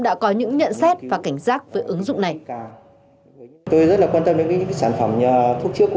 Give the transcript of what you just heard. đã có những nhận xét và cảnh giác với ứng dụng này tôi rất là quan tâm đến những sản phẩm thuốc